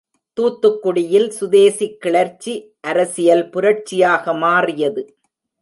தூத்துக்குடியில், சுதேசிக் கிளர்ச்சி அரசியல் புரட்சியாக மாறியது.